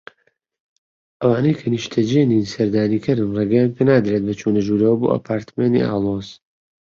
ئەوانەی کە نیشتەجی نین و سەردانیکەرن ڕێگەیان پێنادرێت بە چونەژورەوە بۆ ئەپارتمێنتی ئاڵۆز